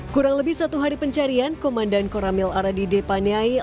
kurang lebih satu hari pencarian komandan koramil aradida paniai